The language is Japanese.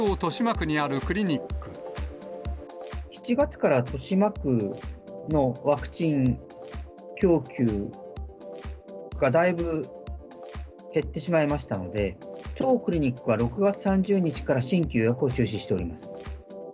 ７月から、豊島区のワクチン供給が、だいぶ減ってしまいましたので、当クリニックは６月３０日から新規予約を中止しております。